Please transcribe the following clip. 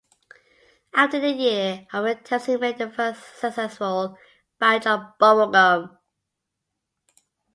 After a year of attempts he made the first successful batch of bubble gum.